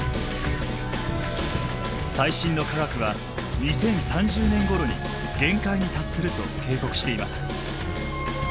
最新の科学は２０３０年ごろに限界に達すると警告しています。